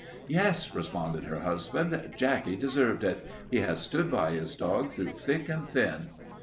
"Yes," responded her husband, "Jacky deserved it. He has stood by his dog through thick and thin."